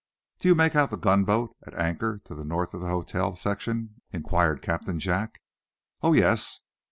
"Do you make out the gunboat, at anchor to the north of the hotel section?" inquired Captain Jack. "Oh, yes.